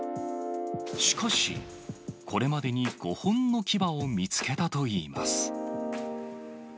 しかし、これまでに５本の牙を見つけたといいます。